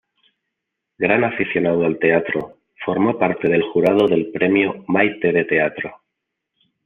Gran aficionado al teatro, formó parte del jurado del Premio Mayte de Teatro.